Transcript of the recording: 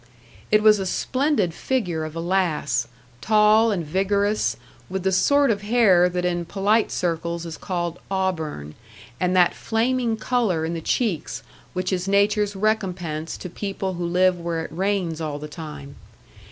It was a splendid figure of a lass, tall and vigorous, with the sort of hair that in polite circles is called auburn, and that flaming colour in the cheeks which is Nature's recompense to people who live where it rains all the time.